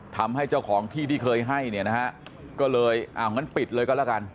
ทำให้เจ้าของที่ที่เคยให้เนี่ยนะฮะก็เลยอ้าวงั้นปิดเลยก็แล้วกัน